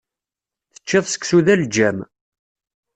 Teččiḍ seksu d aleǧǧam.